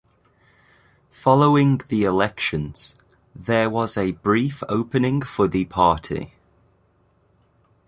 Following the elections, there was a brief opening for the party.